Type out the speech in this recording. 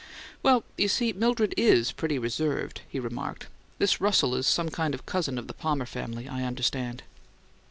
"Well, you see, Mildred IS pretty reserved," he remarked. "This Russell is some kind of cousin of the Palmer family, I understand."